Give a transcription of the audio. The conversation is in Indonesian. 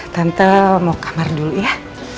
tante mau kamar dulu ya